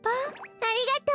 ありがとう！